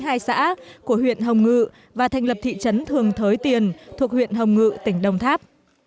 hai xã của huyện hồng ngự và thành lập thị trấn thường thới tiền thuộc huyện hồng ngự tỉnh đồng tháp